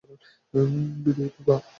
বিদায়, খোকা।